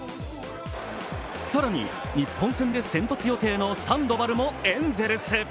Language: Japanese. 更に日本戦で先発予定のサンドバルもエンゼルス。